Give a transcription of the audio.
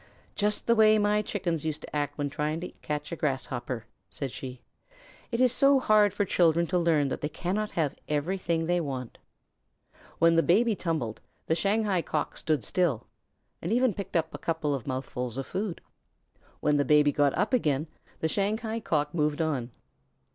"Just the way my Chickens used to act when trying to catch a Grasshopper," said she. "It is so hard for children to learn that they cannot have everything they want." When the Baby tumbled, the Shanghai Cock stood still, and even picked up a couple of mouthfuls of food. When the Baby got up again, the Shanghai Cock moved on.